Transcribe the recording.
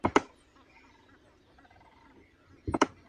Trevelyan logra escapar de Bond y captura a Natalya.